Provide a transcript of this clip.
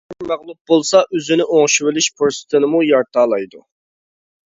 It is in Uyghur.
ئەگەر مەغلۇپ بولسا ئۆزىنى ئوڭشىۋېلىش پۇرسىتىنىمۇ يارىتالايدۇ.